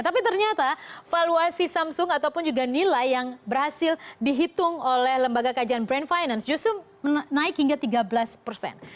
tapi ternyata valuasi samsung ataupun juga nilai yang berhasil dihitung oleh lembaga kajian brand finance justru menaik hingga tiga belas persen